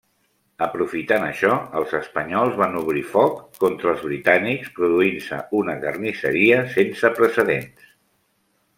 Aprofitant això, els espanyols van obrir foc contra els britànics, produint-se una carnisseria sense precedents.